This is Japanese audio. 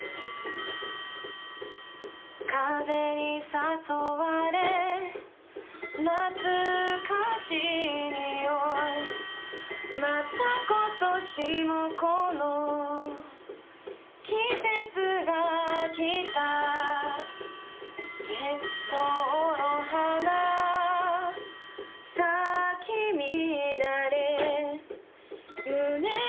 風に誘われ懐かしい匂いまた今年もこの季節がきた月桃の花咲き乱れ